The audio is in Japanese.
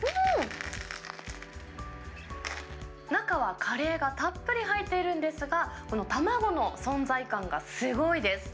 中はカレーがたっぷり入っているんですが、この卵の存在感がすごいです。